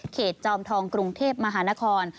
จอมทองกรุงเทพมหานคร